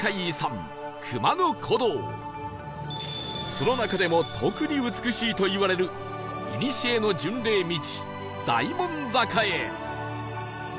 その中でも特に美しいといわれるいにしえの巡礼道大門坂へ